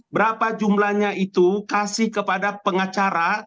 berapa jumlahnya itu kasih kepada pengacara